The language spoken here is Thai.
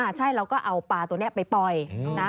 ใช่เราก็เอาปลาตัวนี้ไปปล่อยนะ